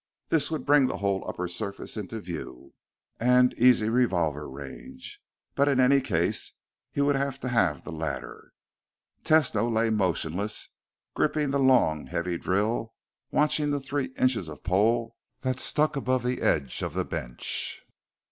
This would bring the whole upper surface into view and easy revolver range. But in any case, he would have to have the ladder. Tesno lay motionless, gripping the long, heavy drill, watching the three inches of pole that stuck above the edge of the bench.